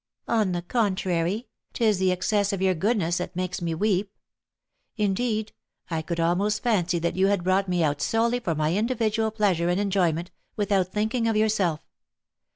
"On the contrary, 'tis the excess of your goodness that makes me weep; indeed, I could almost fancy that you had brought me out solely for my individual pleasure and enjoyment, without thinking of yourself.